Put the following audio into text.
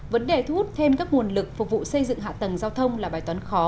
vấn đề thu hút thêm các nguồn lực phục vụ xây dựng hạ tầng giao thông là bài toán khó